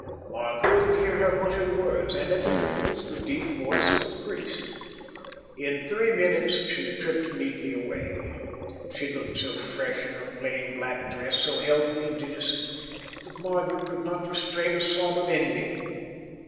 Margaret could hear her muttered words, and at intervals the deep voice of the priest. In three minutes she tripped neatly away. She looked so fresh in her plain black dress, so healthy and innocent, that Margaret could not restrain a sob of envy.